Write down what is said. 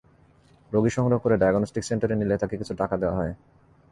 রোগী সংগ্রহ করে ডায়াগনস্টিক সেন্টারে নিলে তাঁকে কিছু টাকা দেওয়া হয়।